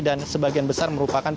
dan sebagian besar merupakan pindah